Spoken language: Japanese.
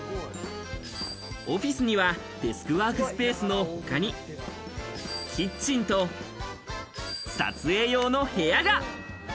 オフィスにはデスクワークスペースの他にキッチンと撮影用の部屋が。